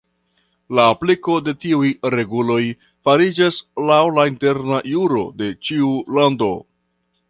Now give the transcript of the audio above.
La apliko de tiuj reguloj fariĝas laŭ la interna juro de ĉiu lando.